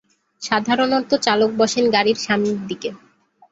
সাধারণত চালক বসেন গাড়ির সামনের দিকে।